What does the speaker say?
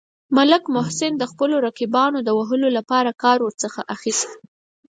ملک محسن د خپلو رقیبانو د وهلو لپاره کار ورڅخه اخیست.